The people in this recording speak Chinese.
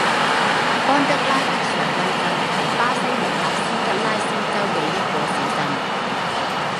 安德拉德上尉镇是巴西米纳斯吉拉斯州的一个市镇。